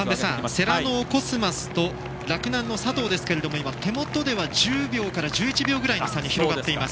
世羅のコスマスと洛南の佐藤ですけれども今、手元では１０秒から１１秒ぐらいの差に広がっています。